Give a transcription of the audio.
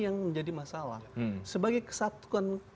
yang menjadi masalah sebagai kesatuan